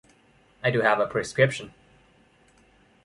I do have a prescription.